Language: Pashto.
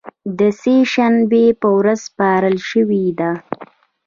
د سې شنبې په ورځ سپارل شوې ده